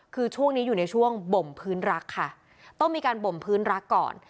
คือช่วงนี้อยู่ในช่วงบ่มพื้นรักค่ะต้องมีการบ่มพื้นรักก่อน